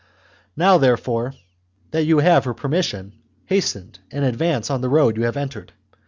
Now, therefore, that you have her permission, hasten and advance on the road you have entered.